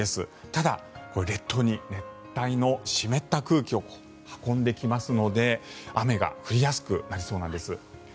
ただ、列島に熱帯の湿った空気を運んできますので、雨が降りやすくなりそうなんです。